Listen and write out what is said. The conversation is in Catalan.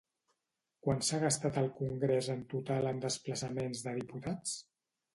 Quant s'ha gastat el congrés en total en desplaçaments de diputats?